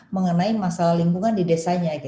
mengenai masalah lingkungan di desanya